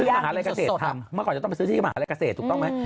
หาลัยเกษตรทำเมื่อก่อนจะต้องไปซื้อที่มหาลัยเกษตรถูกต้องไหม